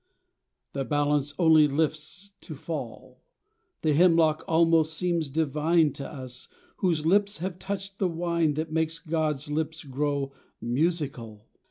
" The balance only lifts to fall, The hemlock almost seems divine To us, whose lips have touched the wine That makes God's lips grow musical.